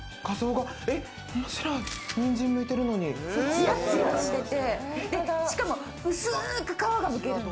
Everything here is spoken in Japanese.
ツヤツヤしてて、しかも薄く皮がむけるの。